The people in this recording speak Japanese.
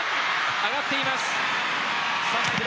上がっています。